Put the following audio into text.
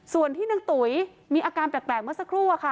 ส่วนที่นางตุ๋ยมีอาการแปลกเมื่อสักครู่อะค่ะ